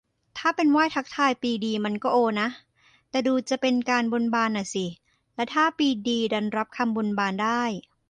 ถ้าเป็นไหว้ทักทายปรีดีมันก็โอนะ แต่ดูจะเป็นบนบานน่ะสิ แล้วถ้าปรีดีดันรับคำบนบานได้